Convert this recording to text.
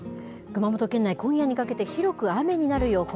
熊本県内、今夜にかけて広く雨になる予報。